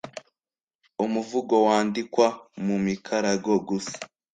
Umuvugo wandikwa mu mikarago gusa